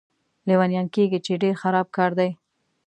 لیونیان کېږي، چې ډېر خراب کار دی.